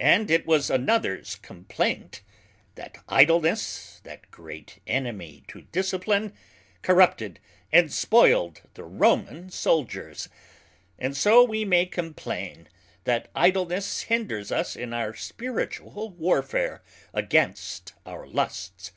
And it was anothers complaint, That Idleness (that great enemy to Discipline) corrupted and spoiled the Roman Souldiers. And so may we complain, that Idleness hinders us in our Spiritual Warfare against our Lusts.